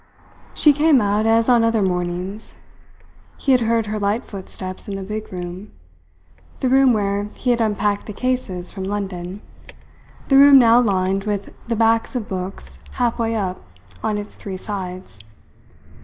She came out as on other mornings. He had heard her light footsteps in the big room the room where he had unpacked the cases from London; the room now lined with the backs of books halfway up on its three sides.